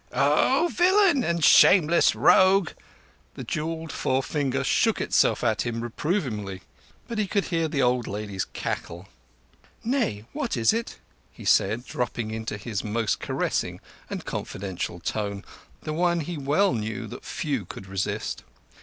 "Oh, villain and shameless rogue!" The jewelled forefinger shook itself at him reprovingly; but he could hear the old lady's chuckle. "Nay, what is it?" he said, dropping into his most caressing and confidential tone—the one, he well knew, that few could resist.